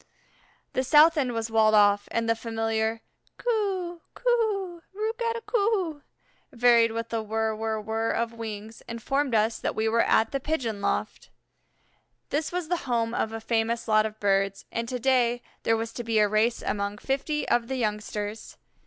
The south end was walled off, and the familiar "Coo oo, cooooo oo, ruk at a coo," varied with the "whirr, whirr, whirr" of wings, informed us that we were at the pigeon loft. This was the home of a famous lot of birds, and to day there was to be a race among fifty of the youngsters.